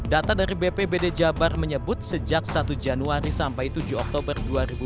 data dari bpbd jabar menyebut sejak satu januari sampai tujuh oktober dua ribu dua puluh